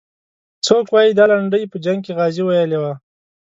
څوک وایي دا لنډۍ په جنګ کې غازي ویلې وه.